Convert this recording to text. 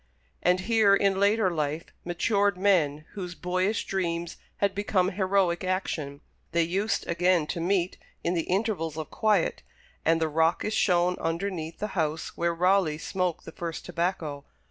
And here in later life, matured men, whose boyish dreams had become heroic action, they used again to meet in the intervals of quiet, and the rock is shown underneath the house where Raleigh smoked the first tobacco.